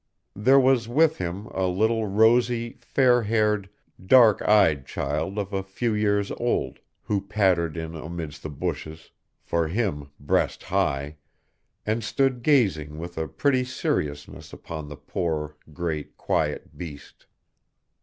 There was with him a little rosy, fair haired, dark eyed child of a few years old, who pattered in amidst the bushes, for him breast high, and stood gazing with a pretty seriousness upon the poor, great, quiet beast.